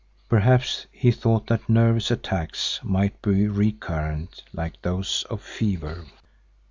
Perhaps he thought that nervous attacks might be recurrent, like those of fever.